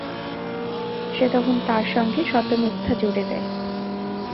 সে তখন তার সঙ্গে শত মিথ্যা জুড়ে দেয়।